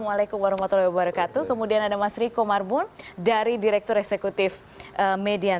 waalaikumsalam warahmatullahi wabarakatuh kemudian ada mas riko marbun dari direktur eksekutif median